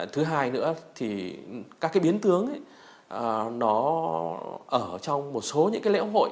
thứ hai nữa thì các cái biến tướng ấy nó ở trong một số những cái lễ hội